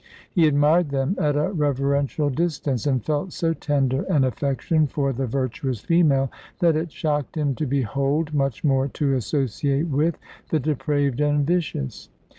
He admired them at a reverential distance, and felt so tender an affection for the virtuous female, that it shocked him to behold, much more to associate with, the depraved and vicious.